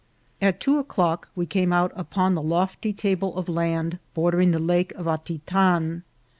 At two o'clock we came out upon the lofty table of land bordering the Lake of Atitan.